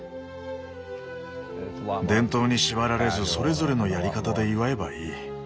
伝統に縛られずそれぞれのやり方で祝えばいい。